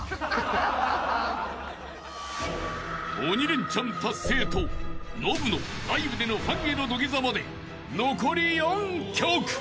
［鬼レンチャン達成とノブのライブでのファンへの土下座まで残り４曲］